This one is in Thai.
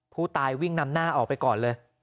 ผู้ตายวิ่งนำหน้าออกไปก่อนเลย